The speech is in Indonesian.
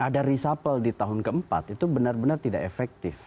sampai sby ketika ada reshuffle di tahun keempat itu benar benar tidak efektif